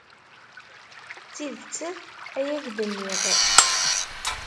D tidet ay ak-d-nniɣ.